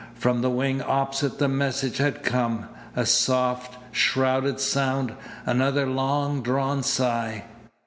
From the wing opposite the message had come a soft, shrouded sound, another long drawn sigh.